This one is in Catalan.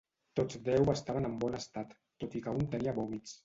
Tots deu estaven en bon estat, tot i que un tenia vòmits.